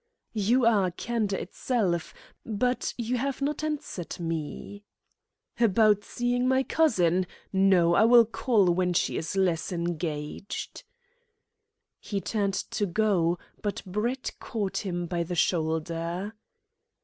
"You are candour itself; but you have not answered me?" "About seeing my cousin? No. I will call when she is less engaged." He turned to go, but Brett caught him by the shoulder.